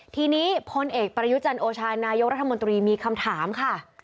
ทีนี้พลเอกประยุจันโอชานายกรัฐมนตรีมีคำถามค่ะ